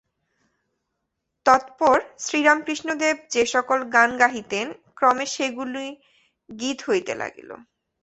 তৎপর শ্রীরামকৃষ্ণদেব যে-সকল গান গাহিতেন, ক্রমে সেগুলি গীত হইতে লাগিল।